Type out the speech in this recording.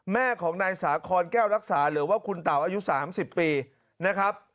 แม่ของนายสาคอนแก้วรักษาหรือว่าคุณเต๋าอายุ๓๐ปีนะครับ